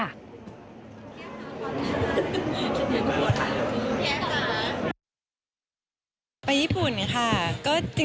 ไปญี่ปุ่นค่ะ